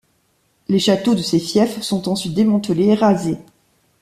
Les châteaux de ses fiefs sont ensuite démantelés et rasés.